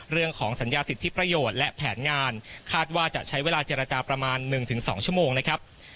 เรื่องของสัญญาสิทธิประโยชน์และแผนงานคาดว่าจะใช้เวลาเจรจาประมาณ๑๒ชั่วโมงนะครับ